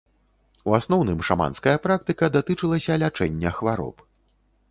У асноўным шаманская практыка датычылася лячэння хвароб.